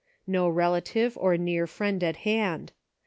No relative or near friend at hand.